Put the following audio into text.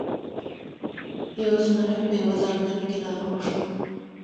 یو زمری په یوه ځنګل کې ناروغ شو.